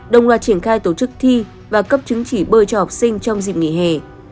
đồng loạt triển khai tổ chức thi và cấp chứng chỉ bơi cho học sinh trong dịp nghỉ hè